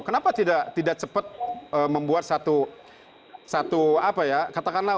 kenapa tidak cepat membuat satu apa ya katakanlah